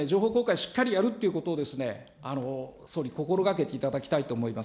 しっかりやるということを総理、心がけていただきたいと思います。